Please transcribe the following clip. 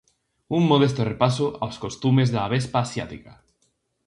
Un Modesto repaso aos costumes da avespa asiática.